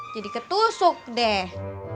jadi ketusuk deh